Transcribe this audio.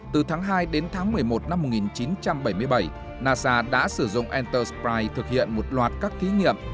từ tháng hai đến tháng một mươi một năm một nghìn chín trăm bảy mươi bảy nasa đã sử dụng entersprite thực hiện một loạt các thí nghiệm